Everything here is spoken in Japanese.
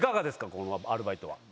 このアルバイトは。